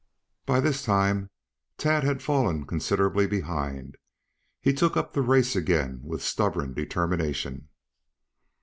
By this time Tad had fallen considerably behind. He took up the race again with stubborn determination.